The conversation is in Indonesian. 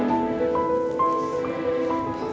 aku lulus banget